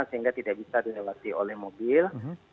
sehingga tidak bisa dilewati oleh mobil